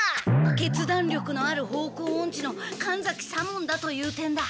決断力のある方向オンチの神崎左門だという点だ。